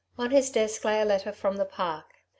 On his desk lay a letter from the Park.